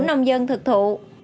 nông dân thực thụ